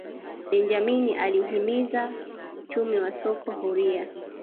benjamini alihimiza uchumi wa soko huria